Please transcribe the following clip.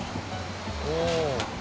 おお。